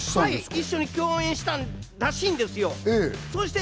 一緒に共演したらしいんですよ。